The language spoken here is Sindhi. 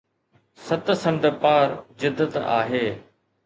ست سمنڊ پار جدت آهي